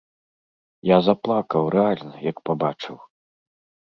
Я заплакаў, рэальна, як пабачыў.